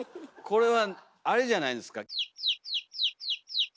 これはあれじゃないんですか？